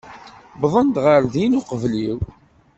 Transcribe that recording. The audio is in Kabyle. Wwḍent ɣer din uqbel-iw.